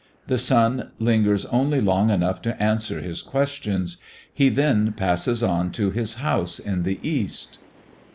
The sun lingers only long enough to answer his questions. He then passes on to his house in the east.